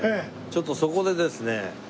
ちょっとそこでですね